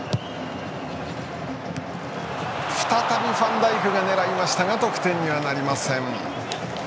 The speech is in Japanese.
再びファンダイクが狙いましたが得点にはなりません。